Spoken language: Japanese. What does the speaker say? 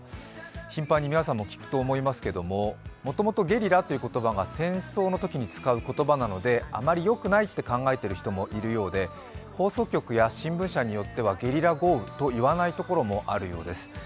頻繁に皆さんも聞くと思いますけれども、もともとゲリラという言葉が戦争の時に使う言葉なのであまりよくないと考えている人もいるようで放送局や新聞によっては「ゲリラ雷雨」とは言わないところもあるようです。